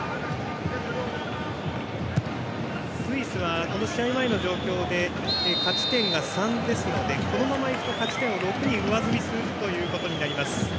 スイスはこの試合前の状況で勝ち点が３ですのでこのままいくと勝ち点を６に上積みします。